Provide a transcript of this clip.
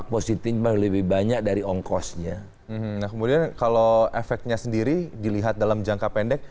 positif lebih banyak dari ongkosnya nah kemudian kalau efeknya sendiri dilihat dalam jangka pendek